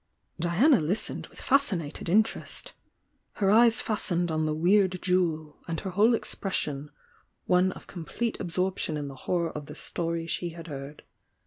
" Diana listened with fascinated interest — ^her eyes fastened on the weird jewel, and her whole expres sion one of complete absorption in the horror of the story she had heard.